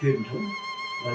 núi sông bừng lên